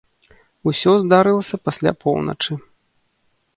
Усё здарылася пасля поўначы.